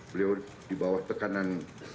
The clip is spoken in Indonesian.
beliau di bawah tekanan